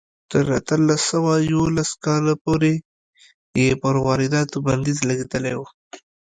تر اتلس سوه یوولس کاله پورې یې پر وارداتو بندیز لګولی و.